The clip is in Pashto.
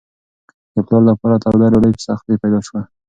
د پلار لپاره توده ډوډۍ په سختۍ پیدا شوه.